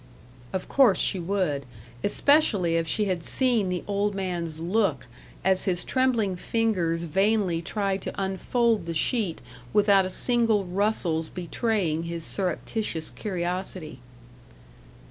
Of course she would. Especially if she had seen the old man's look, as his trembling fingers vainly tried to unfold the sheet without a single rustle's betraying his surreptitious curiosity.